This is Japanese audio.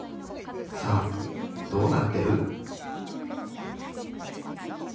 さあどうなってる？